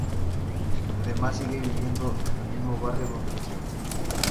Además sigue viviendo en el mismo barrio donde nació.